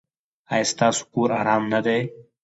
ایا ستاسو کور ارام نه دی؟